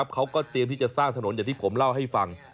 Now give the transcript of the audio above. เขาก็เตรียมที่จะสร้างถนนอย่างที่ผมเล่าให้ฟัง